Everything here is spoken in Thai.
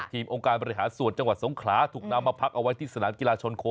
องค์การบริหารส่วนจังหวัดสงขลาถูกนำมาพักเอาไว้ที่สนามกีฬาชนโค